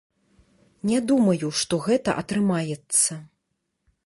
Не думаю, што гэта атрымаецца.